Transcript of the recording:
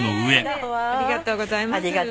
ありがとうございます。